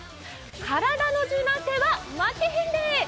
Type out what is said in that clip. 体の柔軟性は負けへんで！